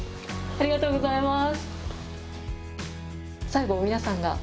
ありがとうございます。